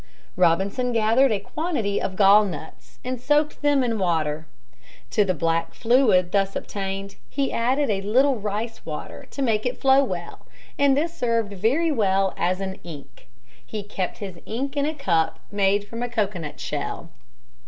Robinson gathered a quantity of gall nuts and soaked them in water. To the black fluid thus obtained he added a little rice water to make it flow well, and this served very well as an ink. He kept his ink in a cup made from a cocoanut shell.